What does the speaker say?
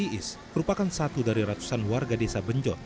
iis merupakan satu dari ratusan warga desa benjot